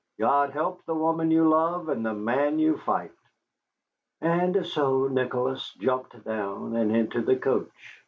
"God help the woman you love and the man you fight." And so Nicholas jumped down, and into the coach.